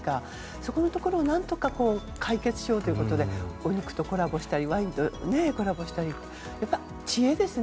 そこのところを何とか解決しようということでお肉とコラボしたりワインとコラボしたりやっぱり知恵ですね。